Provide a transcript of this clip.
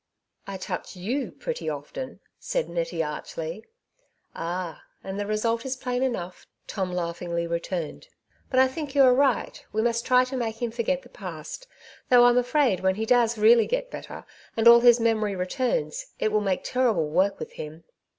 ^^ I touch you pretty often," said Nettie archly. '^ Ah ! and the result is "plain enough," Tom laughingly returned. ^^But I think you are right; we must try to make him forget the past ; though I'm afraid when he does really get better, and all his memory returns, it will make terrible work with him."